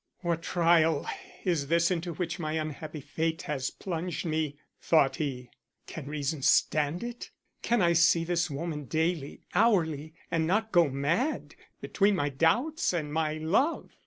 "What trial is this into which my unhappy fate has plunged me!" thought he. "Can reason stand it? Can I see this woman daily, hourly, and not go mad between my doubts and my love?"